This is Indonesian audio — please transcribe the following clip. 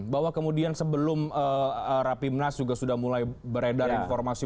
bahwa kemudian sebelum rapimnas juga sudah mulai beredar informasi